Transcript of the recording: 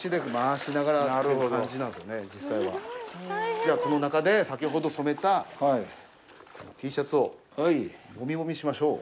じゃ、この中で、先ほど染めたＴシャツをもみもみしましょう。